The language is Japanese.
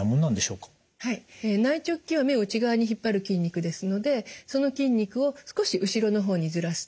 内直筋は目を内側に引っ張る筋肉ですのでその筋肉を少し後ろの方にずらす。